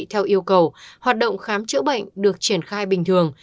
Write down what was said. theo yêu cầu hoạt động khám chữa bệnh được triển khai bình thường